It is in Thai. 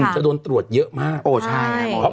จะโดนตรวจเยอะมากโอ้ใช่